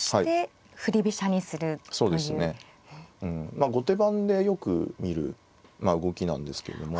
まあ後手番でよく見る動きなんですけれども。